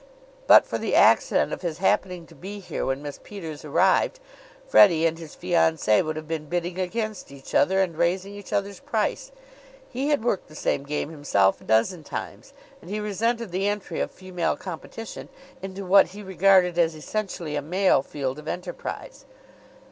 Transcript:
But for the accident of his happening to be here when Miss Peters arrived, Freddie and his fiancee would have been bidding against each other and raising each other's price. He had worked the same game himself a dozen times, and he resented the entry of female competition into what he regarded as essentially a male field of enterprise.